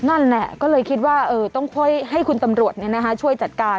นั่นแหละก็เลยคิดว่าต้องค่อยให้คุณตำรวจช่วยจัดการ